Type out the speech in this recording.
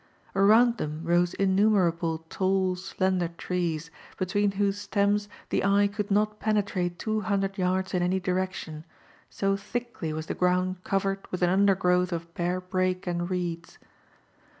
Around them rose innu merable tall, slender trees, between whose stems the eye could not penetrate two hundred yards in any direction, so thickly was the ground covered with an undergrowth of bear brake and reeds.